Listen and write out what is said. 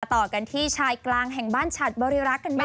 ต่อกันที่ชายกลางแห่งบ้านฉัดบริรักษ์กันบ้าง